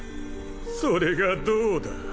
それがどうだ！